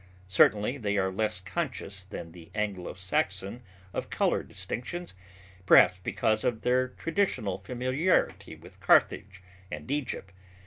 Certainly they are less conscious than the Anglo Saxon of color distinctions, perhaps because of their traditional familiarity with Carthage and Egypt.